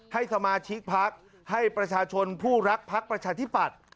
ให้สมาชิกพักให้ประชาชนผู้รักพักประชาธิปัตย์